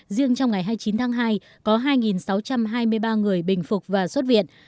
riêng trong ngày hai mươi chín tháng hai có hai sáu trăm hai mươi ba người bình phục và xuất viện